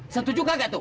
setuju gak tuh